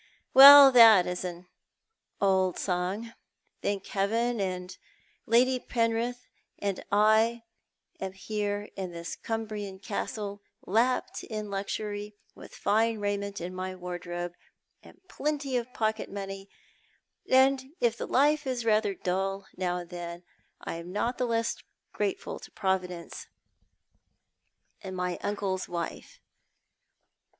Well, that is "an auld sang," thank Heaven, and Lady Penrith ; and I am here in this Cnmbrian Castle, lapped in luxury, with fine raiment in my wardrol )e, and plenty of pocket money; and if the life is rather dull now and then, I am not the less grateful to Providence and my 1 6 Thott art the Mail. uncle's wife.